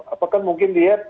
apakah mungkin dia